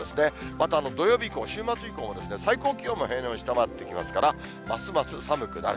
また土曜日以降、週末以降は、最高気温が平年を下回ってきますから、ますます寒くなる。